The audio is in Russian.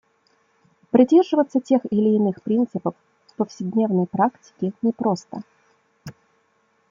Придерживаться тех или иных принципов в повседневной практике непросто.